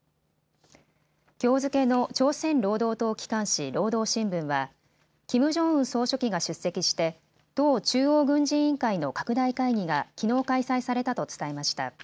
きょう付けの朝鮮労働党機関紙、労働新聞はキム・ジョンウン総書記が出席して党中央軍事委員会の拡大会議がきのう開催されたと伝えました。